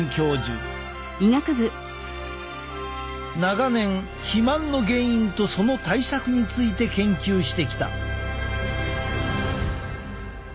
長年肥満の原因とその対策について研究してきた。